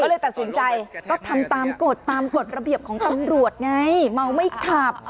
ก็เลยตัดสินใจก็ทำตามกฎตามกฎระเบียบของตำรวจไงเมาไม่ขับ